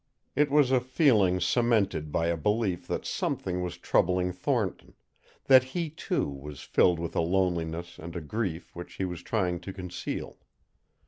It was a feeling cemented by a belief that something was troubling Thornton that he, too, was filled with a loneliness and a grief which he was trying to conceal.